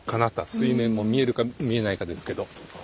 水面も見えるか見えないかですけど。